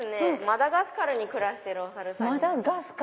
マダガスカルに暮らしてるお猿さんになります。